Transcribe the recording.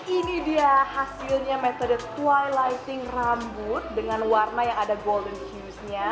ini dia hasilnya metode twilighting rambut dengan warna yang ada golden cuse nya